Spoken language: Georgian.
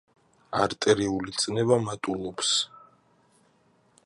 არტერიული წნევა მატულობს.